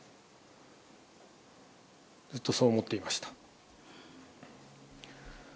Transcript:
ずっとそう思っていました。